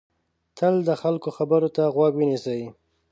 تل د خلکو خبرو ته غوږ ونیسئ.